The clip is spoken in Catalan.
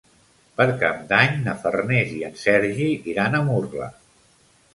Per Cap d'Any na Farners i en Sergi iran a Murla.